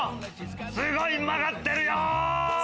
すごい曲がってるよー！